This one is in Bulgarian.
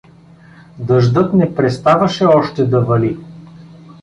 Дъждът не преставаше още да вали.